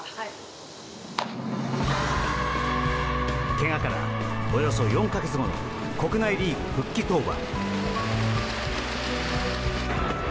けがからおよそ４か月後の国内リーグ復帰登板。